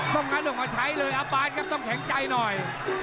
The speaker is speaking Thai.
ต้องงั้นออกมาใช้เลยอัพบาทครับต้องแข็งใจหน่อย